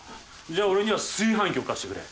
じゃあ俺には炊飯器を貸してくれ。